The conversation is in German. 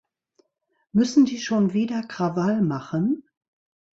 Müssen die schon wieder Krawall machen?